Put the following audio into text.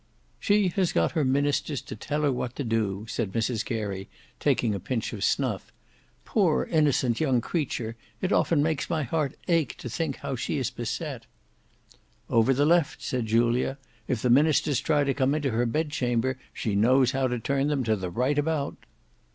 "She has got her ministers to tell her what to do," said Mrs Carey, taking a pinch of snuff. "Poor innocent young creature, it often makes my heart ache to think how she is beset." "Over the left," said Julia. "If the ministers try to come into her bed chamber, she knows how to turn them to the right about."